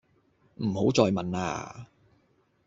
唔好再問呀